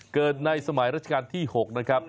เกิดในสมัยราชการที่๖นะครับ